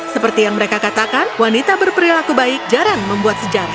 seperti yang mereka katakan wanita berperilaku baik jarang membuat sejarah